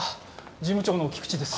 事務長の菊池です。